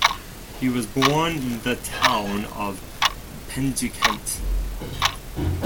He was born in the town of Pendjikent.